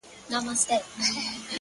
د خپل ښايسته خيال پر رنگينه پاڼه!!